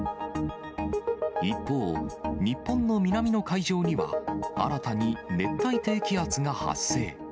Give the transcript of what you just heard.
一方、日本の南の海上には、新たに熱帯低気圧が発生。